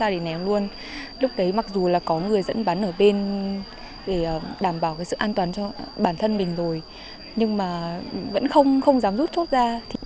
để đảm bảo sự an toàn cho bản thân mình rồi nhưng mà vẫn không dám rút rốt ra